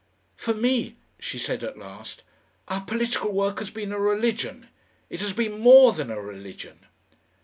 "For me," she said at last, "our political work has been a religion it has been more than a religion."